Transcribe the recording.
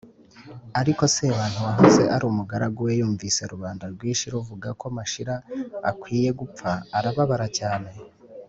ariko sebantu wahoze ari umugaragu we yumvise rubanda rwinshi ruvuga ko mashira akwiye gupfa arababara cyane.